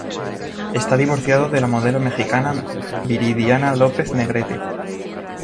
Está divorciado de la modelo mexicana Viridiana López Negrete.